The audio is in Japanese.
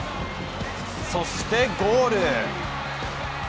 そしてゴール！